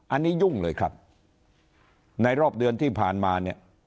อันนี้ยุ่งเลยครับในรอบเดือนที่ผ่านมาเนี่ย